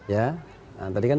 ya tadi kan